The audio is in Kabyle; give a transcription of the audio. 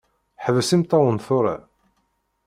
Ḥbes imeṭṭawen tura.